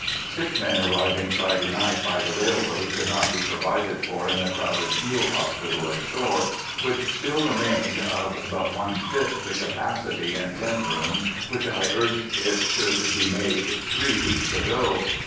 _—Sick men arriving Friday night by the railroad could not be provided for in the crowded field hospital ashore, which still remained of but one fifth the capacity in tent room which I urged it should be made three weeks ago.